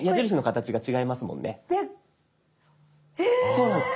そうなんです。